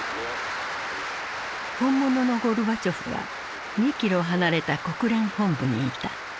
本物のゴルバチョフは２キロ離れた国連本部にいた。